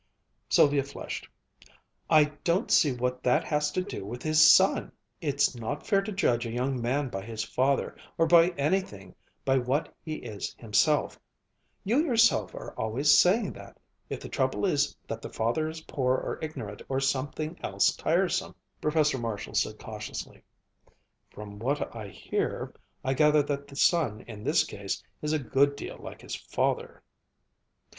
Sylvia flushed. "I don't see what that has to do with his son. It's not fair to judge a young man by his father or by anything but what he is himself you yourself are always saying that, if the trouble is that the father is poor or ignorant or something else tiresome." Professor Marshall said cautiously, "From what I hear, I gather that the son in this case is a good deal like his father."